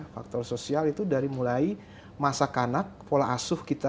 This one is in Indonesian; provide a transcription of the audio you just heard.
faktor sosial itu dari mulai masa kanak pola asuh kita